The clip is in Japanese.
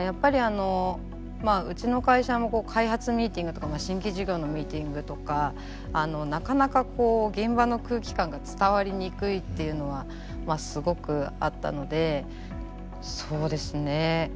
やっぱりあのうちの会社も開発ミーティングとか新規事業のミーティングとかなかなかこう現場の空気感が伝わりにくいっていうのはすごくあったのでそうですね